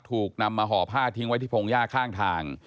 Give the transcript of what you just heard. ถูกนำมาห่อผ้าทิ้งไว้ที่พงหญ้าข้างทาง